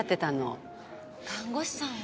看護師さんを。